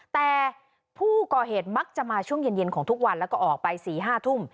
แต่ผู้ก่อเหตุมักจะมาช่วงเย็นของทุกวันแล้วก็ออกไป๔๕ทุ่ม